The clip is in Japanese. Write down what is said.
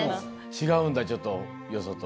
違うんだちょっとよそと。